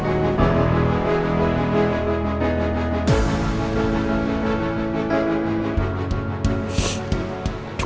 sekarang waktunya kita pulang